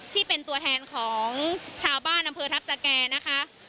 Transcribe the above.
ที่เป็นตัวแทนของชาวบ้านอำเภอทัพสแก่นะคะ